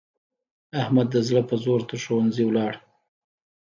احمد د زړه په زور تر ښوونځي ولاړ.